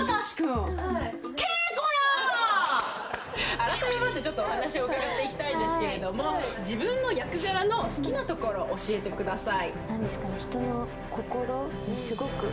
改めましてちょっとお話を伺っていきたいんですけれども自分の役柄の好きなところ教えて下さい。